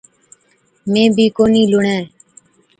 مين بِي ڪونهِِي لُڻَين۔